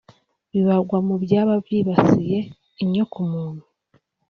bibarwa mu byaba byibasiye inyokomuntu